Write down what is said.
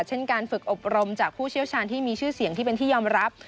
เช่นการฝึกอบรมจากผู้เชี่ยวชาญที่มีชื่อเสียงที่เป็นที่ยอมรับ